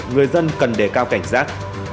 người dân cần để cao cảnh giác